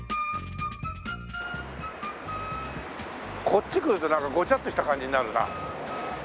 こっち来るとなんかごちゃっとした感じになるな。